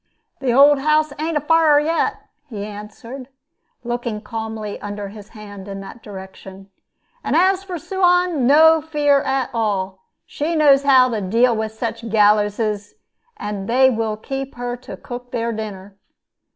"The old house ain't afire yet," he answered, looking calmly under his hand in that direction. "And as for Suan, no fear at all. She knows how to deal with such gallowses; and they will keep her to cook their dinner.